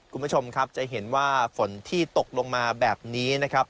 คุณผู้ชมครับจะเห็นว่าฝนที่ตกลงมาแบบนี้นะครับ